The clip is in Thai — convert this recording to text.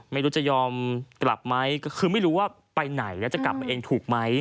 ไม่รู้จะยอมกลับไหมก็คือไม่รู้ว่าไปไหนแล้วจะกลับมาเองถูกไหม